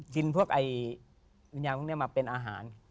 กินพวกมันมาเป็นอาหาร